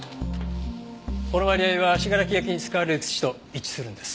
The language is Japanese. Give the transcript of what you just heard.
この割合は信楽焼に使われる土と一致するんです。